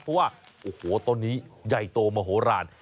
เพราะว่าโอ้โหต้นนี้ใหญ่โตมโหลาน